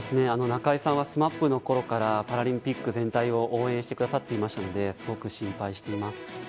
中居さんはＳＭＡＰのころからパラリンピック全体を応援してくださっていましたのですごく心配しています。